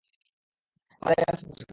আমাদের air support লাগবে।